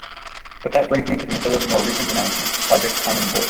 But that brings me to Mozilla's more recent announcement: Project Common Voice.